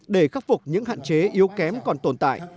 để khắc phục những hạn chế yếu kém còn tồn tại